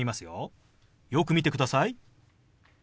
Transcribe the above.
よく見てください。